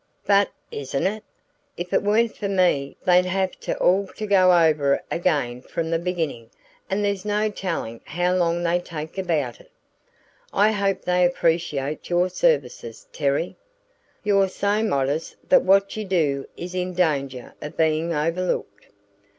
"But isn't it? If it weren't for me they'd have it all to go over again from the beginning, and there's no telling how long they'd take about it." "I hope they appreciate your services, Terry. You're so modest that what you do is in danger of being overlooked."